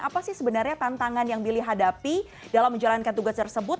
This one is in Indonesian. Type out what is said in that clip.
apa sih sebenarnya tantangan yang billy hadapi dalam menjalankan tugas tersebut